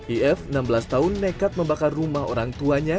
if enam belas tahun nekat membakar rumah orang tuanya